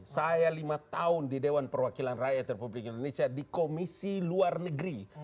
saya lima tahun di dewan perwakilan rakyat republik indonesia di komisi luar negeri